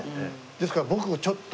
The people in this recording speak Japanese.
ですから僕ちょっと。